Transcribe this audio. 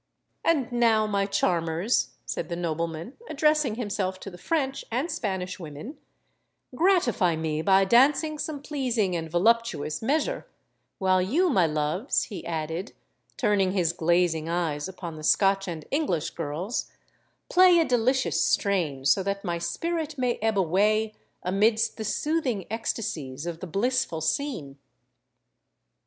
"And now, my charmers," said the nobleman, addressing himself to the French and Spanish women, "gratify me by dancing some pleasing and voluptuous measure,—while you, my loves," he added, turning his glazing eyes upon the Scotch and English girls, "play a delicious strain,—so that my spirit may ebb away amidst the soothing ecstacies of the blissful scene!"